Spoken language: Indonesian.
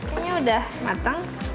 ini udah matang